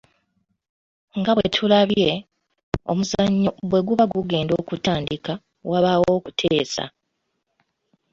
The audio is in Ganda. Nga bwe tulabye, omuzannyo bwe guba gugenda okutandika, wabaawo okuteesa.